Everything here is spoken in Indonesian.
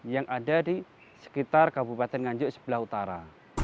yang ada di sekitar kabupaten nganjuk sebelah utara